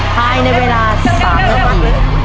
ภายในเวลา๓นาที